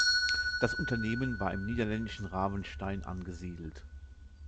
Das Unternehmen war im niederländischen Ravenstein angesiedelt.